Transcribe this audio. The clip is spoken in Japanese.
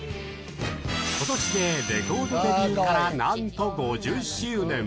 ことしで、レコードデビューからなんと５０周年。